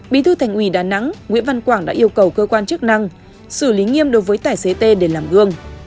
bí thư thành ủy đà nẵng nguyễn văn quảng đã yêu cầu cơ quan chức năng xử lý nghiêm đối với tài xế tê để làm gương